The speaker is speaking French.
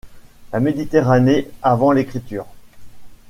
La Méditerranée avant l’écriture.